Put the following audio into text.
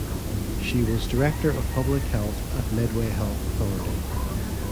She was Director of Public Health at Medway Health Authority.